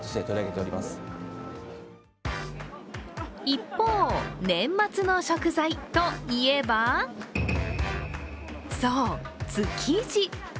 一方、年末の食材といえばそう、築地。